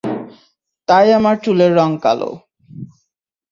তাই আমার চুলের রঙ কালো।